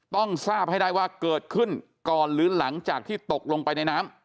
ต้องทราบให้ได้ว่าเกิดขึ้นก่อนหรือหลังจากที่ตกลงไปในน้ำ